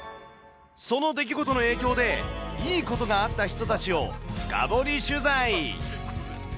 その出来事の影響で、いいことがあった人たちを深掘り取材。